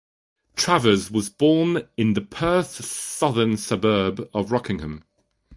Travers was born in the Perth southern suburb of Rockingham.